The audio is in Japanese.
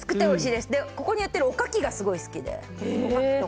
うちはここに売ってるおかきがすごい好きで。